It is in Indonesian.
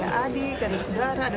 alhamdulillah sudah tertangani